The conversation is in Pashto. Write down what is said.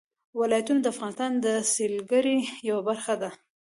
ولایتونه د افغانستان د سیلګرۍ یوه برخه ده.